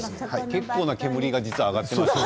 結構な煙が実は上がっていました。